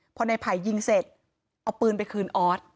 พอในไผ่ยิงเสร็จเอาปืนไปคืนออส